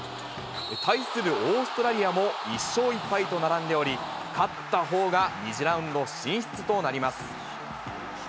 対するオーストラリアも１勝１敗と並んでおり、勝ったほうが２次ラウンド進出となります。